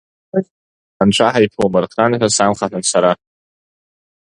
Анцәа ҳаиԥумырхан ҳәа самхаҳәон сара.